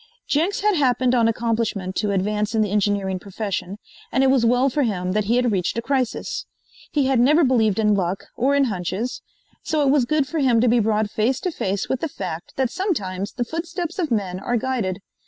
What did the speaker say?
Jenks had happened on accomplishment to advance in the engineering profession, and it was well for him that he had reached a crisis. He had never believed in luck or in hunches, so it was good for him to be brought face to face with the fact that sometimes the footsteps of man are guided.